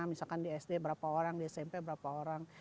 misalkan di sd berapa orang di smp berapa orang